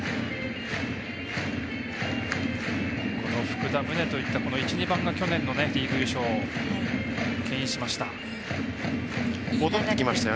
福田、宗といった１、２番が去年のリーグ優勝をけん引しました。